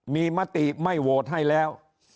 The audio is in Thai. มีมติไม่โหวตให้แล้ว